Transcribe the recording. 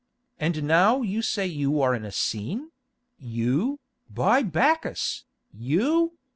And now you say you are an Essene—you, by Bacchus! you!"